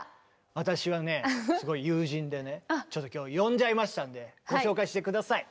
私はねすごい友人でねちょっと今日呼んじゃいましたんでご紹介して下さい。